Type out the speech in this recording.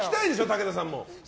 武田さんも。